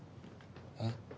えっ？